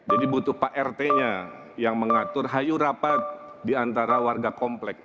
jadi butuh pak rt nya yang mengatur hayur rapat diantara warga komplek